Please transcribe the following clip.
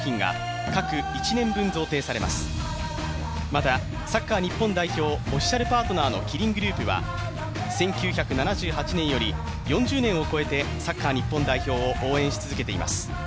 また、サッカー日本代表オフィシャルパートナーのキリングループは１９７８年より４０年を超えてサッカー日本代表を応援し続けています。